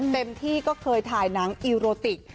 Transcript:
เต็มที่ก็เคยถ่ายหนังอีโรติก